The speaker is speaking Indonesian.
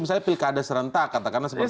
misalnya pilkada serentak katakanlah seperti itu